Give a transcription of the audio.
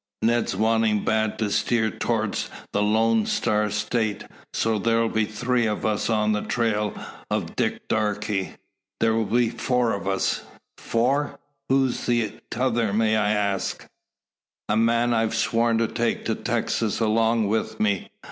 Ned's wantin' bad to steer torst the Lone Star State. So, thar'll be three o' us on the trail o' Dick Darke." "There will be four of us." "Four! Who's the t'other, may I axe?" "A man I've sworn to take to Texas along with me.